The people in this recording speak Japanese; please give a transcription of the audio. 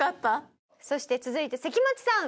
そして続いて関町さん。